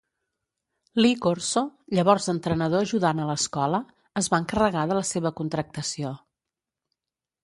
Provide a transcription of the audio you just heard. Lee Corso, llavors entrenador ajudant a l'escola, es va encarregar de la seva contractació.